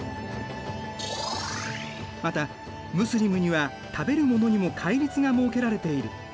またムスリムには食べるものにも戒律が設けられている。